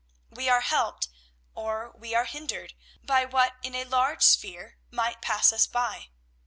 We are helped, or we are hindered, by what in a large sphere might pass us by.